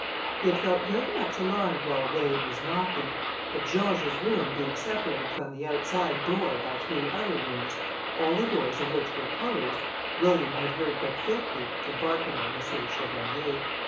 He had felt very much alarmed while William was knocking; but George's room being separated from the outside door by three other rooms, all the doors of which were closed, William had heard but faintly the barking of M. le Chevalier.